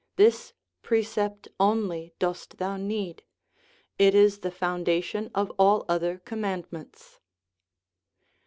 This precept only dost thou need; it is the foundation of all other commandments."